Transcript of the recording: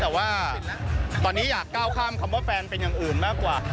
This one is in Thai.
แต่ว่าตอนนี้อยากก้าวข้ามคำว่าแฟนเป็นอย่างอื่นมากกว่า